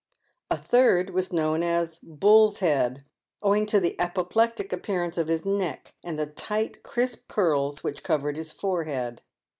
A third was known as " Bull's Head," owing to the apoplectic appearance of his neck, and the tight, crisp curls which covered his forehead.